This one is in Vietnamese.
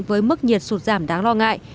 với mức nhiệt sụt giảm đáng lo ngại